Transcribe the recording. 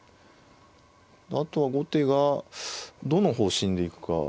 あとは後手がどの方針でいくか。